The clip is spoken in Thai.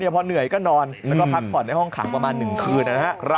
พอเหนื่อยก็นอนแล้วก็พักผ่อนในห้องขังประมาณ๑คืนนะครับ